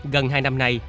gần hai năm nay